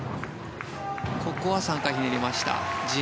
ここは３回ひねりました。